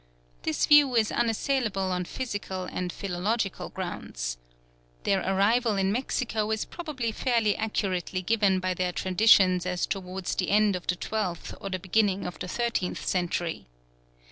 This view is unassailable on physical and philological grounds. Their arrival in Mexico is probably fairly accurately given by their traditions as towards the end of the twelfth or the beginning of the thirteenth century.